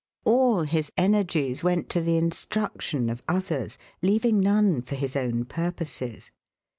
All his energies went to the instruction of others, leaving none for his own purposes.